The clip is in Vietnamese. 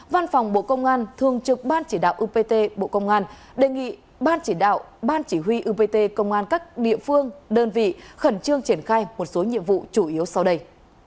văn phòng bộ công an thường trực ban chỉ đạo upt bộ công an đề nghị ban chỉ đạo ban chỉ huy upt công an các địa phương đơn vị khẩn trương triển khai một số nhiệm vụ chủ yếu sau đây